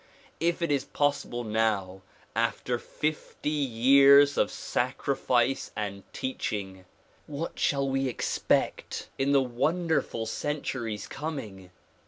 If it is possible now after fifty years of sacri fice and teaching, what shall we expect in the wonderful centuries coming